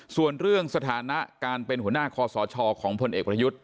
ส่วนเรื่องสถานะการเป็นหัวหน้าคอสชของพลเอกประยุทธ์